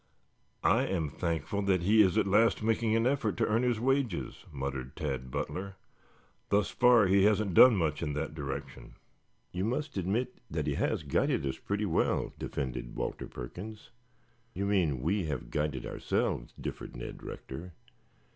"I am thankful that he is at last making an effort to earn his wages," muttered Tad Butler. "Thus far he hasn't done much in that direction." "You must admit that he has guided us pretty well," defended Walter Perkins. "You mean we have guided ourselves," differed Ned Rector.